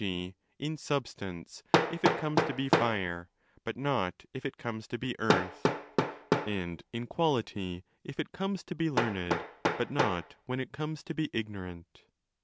g. in Substance, if it comes to be Fire but not if it comes to be Earth; and in Quality, if it comes to be learned but not when it comes to be ignorant.